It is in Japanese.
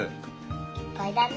いっぱいだね。